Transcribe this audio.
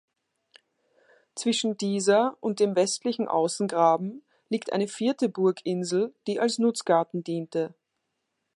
Zwischen dieser und dem westlichen Außengraben liegt eine vierte Burginsel, die als Nutzgarten diente.